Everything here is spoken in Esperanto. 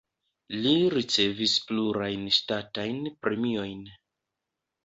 Li ricevis plurajn ŝtatajn premiojn.